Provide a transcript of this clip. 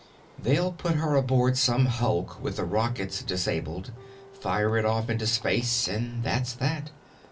"They'll put her aboard some hulk with the rockets disabled, fire it off into space—and that's that.